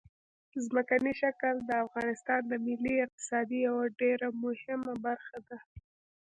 ځمکنی شکل د افغانستان د ملي اقتصاد یوه ډېره مهمه برخه ده.